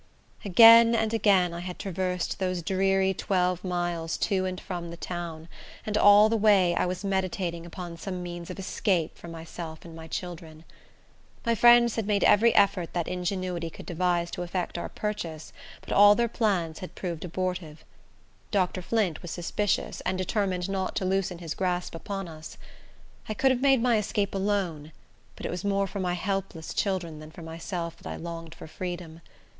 Again and again I had traversed those dreary twelve miles, to and from the town; and all the way, I was meditating upon some means of escape for myself and my children. My friends had made every effort that ingenuity could devise to effect our purchase, but all their plans had proved abortive. Dr. Flint was suspicious, and determined not to loosen his grasp upon us. I could have made my escape alone; but it was more for my helpless children than for myself that I longed for freedom.